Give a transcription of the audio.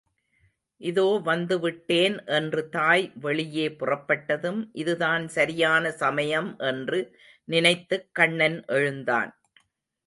இதோ வந்து விட்டேன் என்று தாய் வெளியே புறப்பட்டதும், இதுதான் சரியான சமயம் என்று நினைத்துக் கண்ணன் எழுந்தான்.